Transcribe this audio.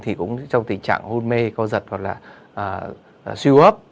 thì cũng trong tình trạng hôn mê co giật hoặc là siêu hấp